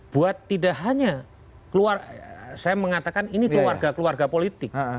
buat tidak hanya keluarga saya mengatakan ini keluarga keluarga politik